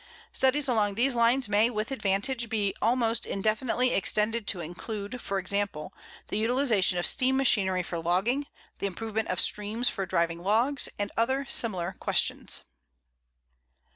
Studies along these lines may with advantage be almost indefinitely extended to include, for example the utilization of steam machinery for logging, the improvement of streams for driving logs, and other similar questions.